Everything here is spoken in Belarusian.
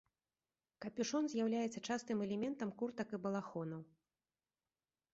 Капюшон з'яўляецца частым элементам куртак і балахонаў.